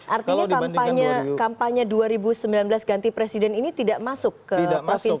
artinya kampanye dua ribu sembilan belas ganti presiden ini tidak masuk ke provinsi